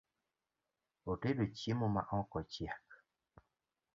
Otedo chiemo ma ok ochiek